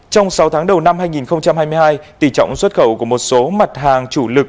trong sáu tháng đầu năm hai nghìn hai mươi hai tỷ trọng xuất khẩu của một số mặt hàng chủ lực